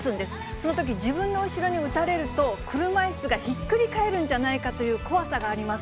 そのとき、自分の後ろに打たれると、車いすがひっくり返るんじゃないかという怖さがあります。